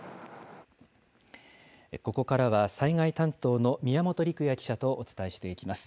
ここからは災害担当の宮本陸也記者とお伝えしていきます。